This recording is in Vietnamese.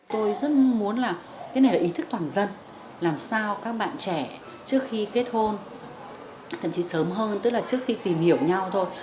tôi rất mong muốn là cái này là ý thức toàn dân làm sao các bạn trẻ trước khi kết hôn thậm chí sớm hơn tức là trước khi tìm hiểu nhau thôi